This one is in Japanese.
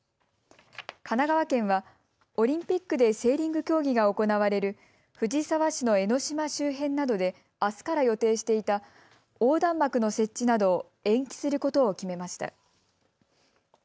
神奈川県はオリンピックでセーリング競技が行われる藤沢市の江の島周辺などであすから予定していた横断幕の設置などを延期することを決めました。